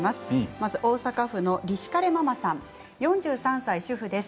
まずは大阪府の方４３歳、主婦です。